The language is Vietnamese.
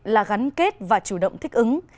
là gắn kết và chủ động thích ứng